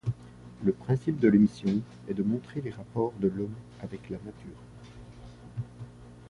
Le principe de l'émission est de montrer les rapports de l'Homme avec la nature.